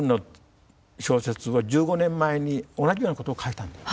１５年前に同じようなことを書いたんです。